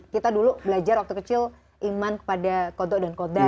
kita dulu belajar waktu kecil iman kepada kodok dan kodar